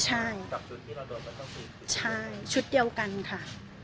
ใช่ใช่ชุดเดียวกันค่ะ